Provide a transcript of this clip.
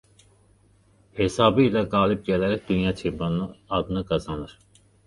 Hesabı ilə qalib gələrək dünya çempionu adını qazanır.